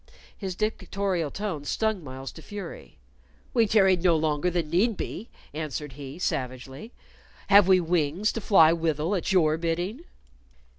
His dictatorial tone stung Myles to fury. "We tarried no longer than need be," answered he, savagely. "Have we wings to fly withal at your bidding?"